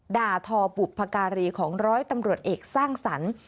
ด่าทอบุพการีของร้อยตำรวจเอกสร้างสรรค์